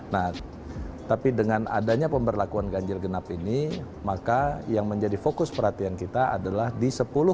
nah tapi dengan adanya pemberlakuan ganjil genap ini maka yang menjadi fokus perhatian kita adalah di sepuluh